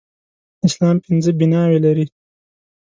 اسلام پينځه بلاوي لري.